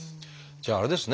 じゃああれですね